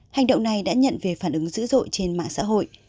hành động này đã nhận về phản ứng dữ dội trên mạng xã hội